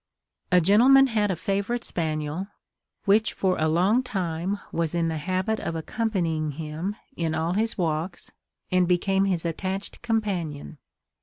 A gentleman had a favourite spaniel, which for a long time was in the habit of accompanying him in all his walks, and became his attached companion.